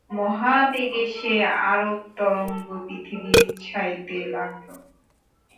মহাবেগে সে আরব-তরঙ্গ পৃথিবী ছাইতে লাগল।